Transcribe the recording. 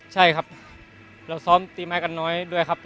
ใช่ครับเราซ้อมตีไม้กันน้อยด้วยครับ